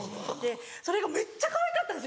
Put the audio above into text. それがめっちゃかわいかったんです